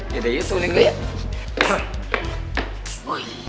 ya udah yuk